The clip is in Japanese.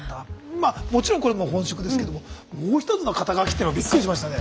まあもちろんこれも本職ですけどももう１つの肩書っていうのがびっくりしましたね。